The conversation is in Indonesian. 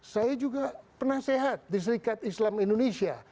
saya juga pernah sehat di serikat islam indonesia